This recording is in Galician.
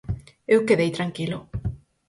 Eu quedei tranquilo.